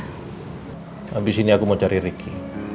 habis ini aku mau cari ricky